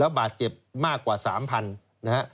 แล้วบาทเจ็บมากกว่า๓๐๐๐ลายนะ